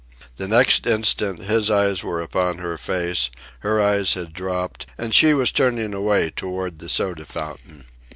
The next instant his eyes were upon her face, her eyes had dropped, and she was turning away toward the soda fountain.